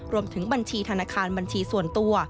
รวมถึงบัญชีธนาคารบัญชีส่วนตัว